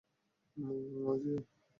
ঐ যে ও!